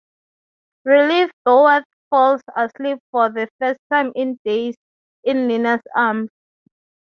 Relieved, Bulworth falls asleep for the first time in days in Nina's arms.